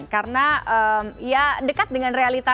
karena ya dekat dengan realitanya